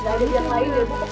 gak ada yang lain ya bu